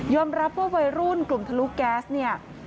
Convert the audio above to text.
รับว่าวัยรุ่นกลุ่มทะลุแก๊สเนี่ย